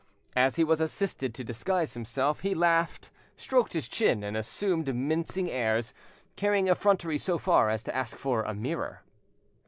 As he was assisted to disguise himself, he laughed, stroked his chin and assumed mincing airs, carrying effrontery so far as to ask for a mirror.